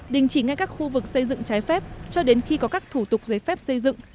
đình chỉ ngay các khu vực xây dựng trái phép cho đến khi có các thủ tục giấy phép xây dựng